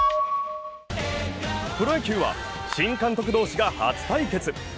プロ野球は新監督同士が初対決。